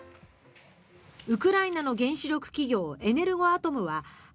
ウクライナの原子力企業エネルゴアトムは２０日